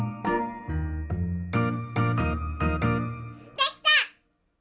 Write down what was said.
できた！